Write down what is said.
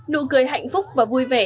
nụ cười hạnh phúc và vui vẻ